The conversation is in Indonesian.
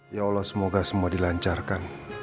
ya allah semoga semua dilancarkan